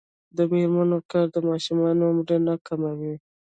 د میرمنو کار د ماشومانو مړینه کموي.